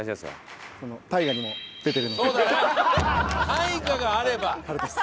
大河があれば。